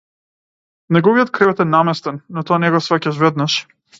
Неговиот кревет е наместен, но тоа не го сфаќаш веднаш.